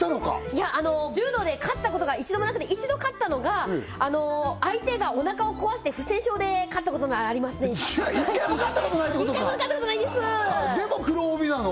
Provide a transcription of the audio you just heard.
いや柔道で勝ったことが一度もなくて一度勝ったのが相手がおなかをこわして不戦勝で勝ったことならありますねじゃ一回も勝ったことないってことかでも黒帯なの？